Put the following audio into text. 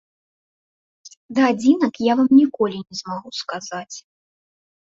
Да адзінак я вам ніколі не змагу сказаць.